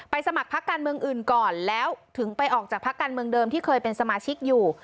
ไปสมัครภาคการร์เมืองอื่นก่อนถึงไปออกจากภาคการร์เมืองเดิมที่เคยเป็นสมาชิกอยู่